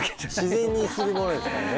自然にするものだからね。